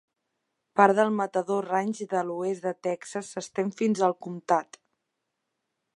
Part del Matador Ranch de l'oest de Texas s'estén fins al comptat.